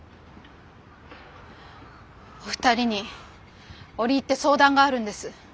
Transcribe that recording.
お二人に折り入って相談があるんです。